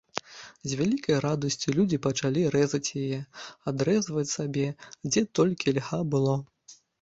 З вялікаю радасцю людзі пачалі рэзаць яе, адрэзваць сабе, дзе толькі льга было.